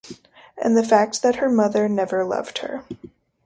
And the fact that her mother never loved her.